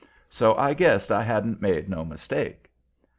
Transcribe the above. So I guessed I hadn't made no mistake.